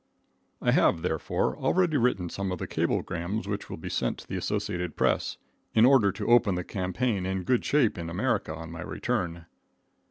I have, therefore, already written some of the cablegrams which will be sent to the Associated Press, in order to open the campaign in good shape in America on my return.